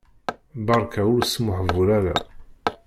Berka, ur smuhbul ara.